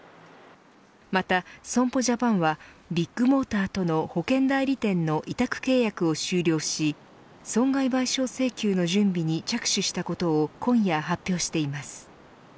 また損保ジャパンはビッグモーターとの保険代理店の委託契約を終了し損害賠償請求の準備に着手したことを今夜発表しています。